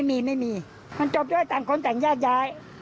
ไม่มีมันจบตามคนถึงแยกย้าย